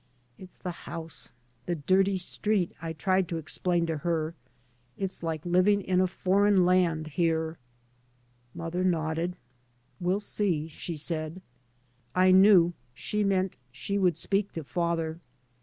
" It's the house, the dirty street," I tried to explain to her. " It's like living in a foreign land here." Mother nodded. "We'll see," she said. I knew she meant she would speak to father.